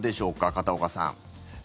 片岡さん。